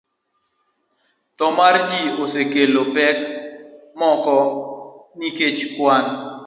Tho mar ji osekelo pek moko nikech kwan